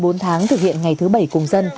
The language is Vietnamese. sau hơn bốn tháng thực hiện ngày thứ bảy cùng dân